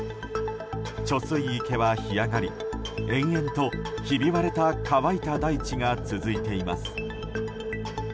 貯水池は干上がり延々と、ひび割れた乾いた大地が続いています。